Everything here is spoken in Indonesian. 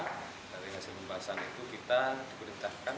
dari hasil pembahasan itu kita diperintahkan